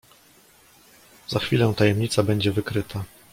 "Za chwilę tajemnica będzie wykryta!"